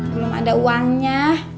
belum ada uangnya